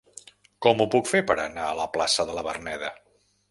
Com ho puc fer per anar a la plaça de la Verneda?